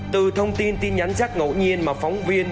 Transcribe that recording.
từ thông tin tin nhắn rác ngẫu nhiên mà phóng viên